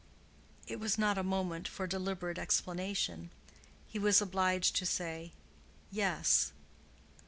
It was not a moment for deliberate explanation. He was obliged to say, "Yes."